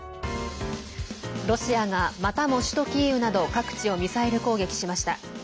ロシアがまたも首都キーウなど各地をミサイル攻撃しました。